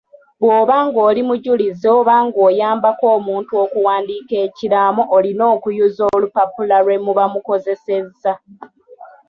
Bw’oba ng’oli mujulizi oba ng’oyambako omuntu okuwandiika ekiraamo olina okuyuza olupapula lwemuba mukozesezza.